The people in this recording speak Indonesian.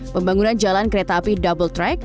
pembangunan jalan kereta api double track